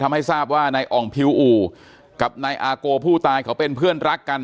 ทำให้ทราบว่านายอ่องพิวอู่กับนายอาโกผู้ตายเขาเป็นเพื่อนรักกัน